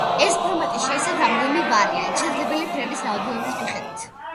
ეს ფორმატი შეიცავს რამდენიმე ვარიანტს, შესაძლებელი ფერების რაოდენობის მიხედვით.